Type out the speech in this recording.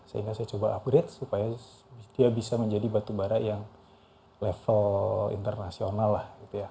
sehingga saya coba upgrade supaya dia bisa menjadi batu bara yang level internasional lah